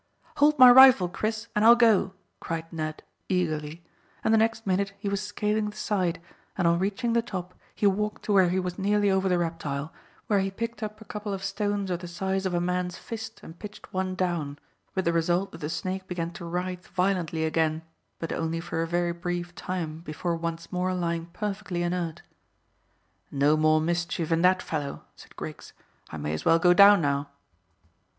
"Hold my rifle, Chris, and I'll go," cried Ned eagerly, and the next minute he was scaling the side, and on reaching the top he walked to where he was nearly over the reptile, where he picked up a couple of stones of the size of a man's fist and pitched one down, with the result that the snake began to writhe violently again, but only for a very brief time, before once more lying perfectly inert. "No more mischief in that fellow," said Griggs. "I may as well go down now."